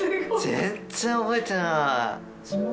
全然覚えてないこれ？